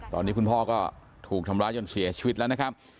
ตอนนี้คุณพ่อก็ถูกทำร้ายจนเสียชีวิตแล้วนะครับ